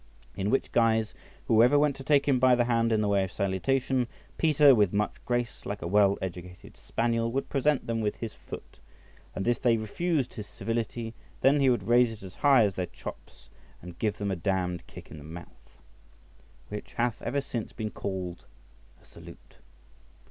In which guise, whoever went to take him by the hand in the way of salutation, Peter with much grace, like a well educated spaniel, would present them with his foot, and if they refused his civility, then he would raise it as high as their chops, and give them a damned kick on the mouth, which hath ever since been called a salute.